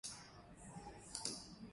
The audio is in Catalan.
A una nova ciutat.